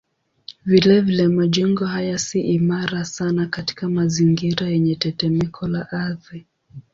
Vilevile majengo haya si imara sana katika mazingira yenye tetemeko la ardhi.